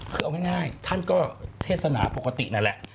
คือเอาง่ายท่านก็เทศนาปกตินั่นแหละ